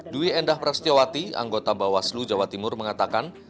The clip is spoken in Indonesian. dwi endah prestiawati anggota bawaslu jawa timur mengatakan